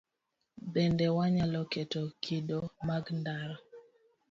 Bende wanyalo keto kido mag ndara